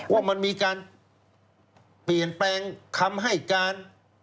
ว่ามันมีการเปลี่ยนแปลงคำให้การ